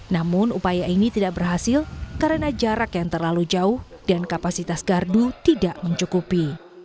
namun upaya ini tidak berhasil karena jarak yang terlalu jauh dan kapasitas gardu tidak mencukupi